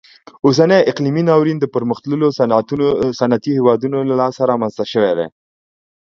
اوسنی اقلیمي ناورین د پرمختللو صنعتي هیوادونو له لاسه رامنځته شوی دی.